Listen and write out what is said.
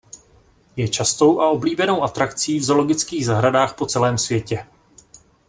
Je častou a oblíbenou atrakcí v zoologických zahradách po celém světě.